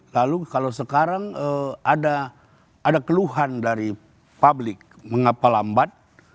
lalu kalau sekarang ada keluhan dari publik mengapa lambat